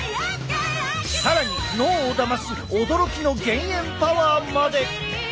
更に脳をだます驚きの減塩パワーまで！